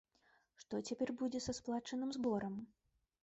Што цяпер будзе са сплачаным зборам?